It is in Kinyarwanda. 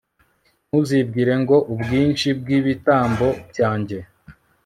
ntuzibwire ngo ubwinshi bw'ibitambo byanjye